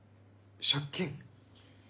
借金？